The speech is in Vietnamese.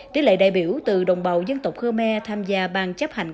tỷ lệ đại biểu từ đồng bào dân tộc khmer tham gia ban chấp hành